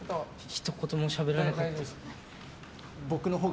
ひと言もしゃべらなかった。